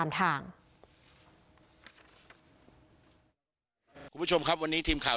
แม่น้องชมพู่แม่น้องชมพู่